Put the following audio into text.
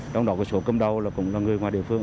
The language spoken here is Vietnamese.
trong đó có số cơm đầu là người ngoài địa phương